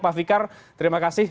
pak fikar terima kasih